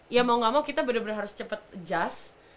ya mau gak mau kita bener bener harus cepet adjust